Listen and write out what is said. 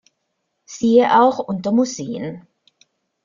Siehe auch unter Museen.